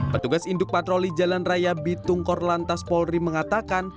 petugas induk patroli jalan raya bitungkor lantas polri mengatakan